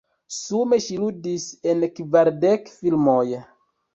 Sume ŝi ludis en kvardek filmoj.